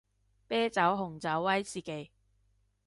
啤酒紅酒威士忌